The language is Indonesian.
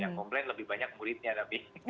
yang komplain lebih banyak muridnya tapi